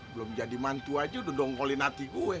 belum jadi mantu aja udah dongkolin hati gue